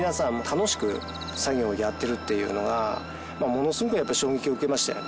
楽しく作業をやっているっていうのがものすごくやっぱり衝撃を受けましたよね。